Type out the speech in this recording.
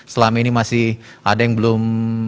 selama ini masih ada yang belum